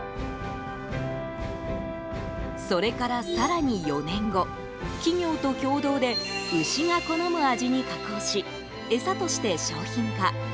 それから更に４年後企業と共同で牛が好む味に加工し餌として商品化。